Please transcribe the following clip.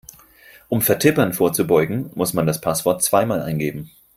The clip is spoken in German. Um Vertippern vorzubeugen, muss man das Passwort zweimal eingeben.